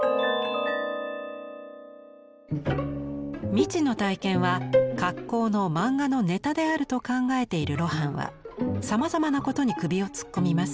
未知の体験は格好の漫画のネタであると考えている露伴はさまざまなことに首を突っ込みます。